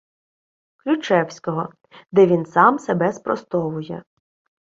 Ключевського, де він сам себе спростовує